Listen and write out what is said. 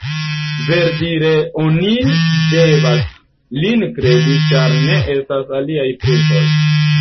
Verdire oni devas lin kredi, ĉar ne estas aliaj pruvoj.